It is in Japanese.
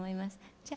じゃあ。